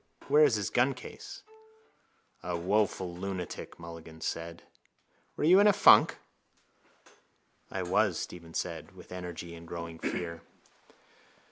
Where is his guncase? —A woful lunatic! Mulligan said. Were you in a funk? —I was, Stephen said with energy and growing fear.